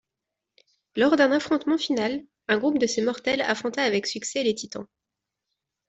Lors d'un affrontement final, un groupe de ces mortels affronta avec succès les Titans.